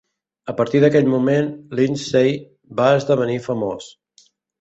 A partir d'aquell moment, Lindsay va esdevenir famós.